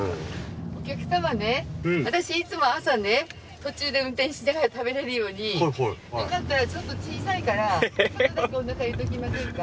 お客様ね私いつも朝ね途中で運転しながら食べれるようによかったらちょっと小さいからちょっとだけおなかに入れておきませんか？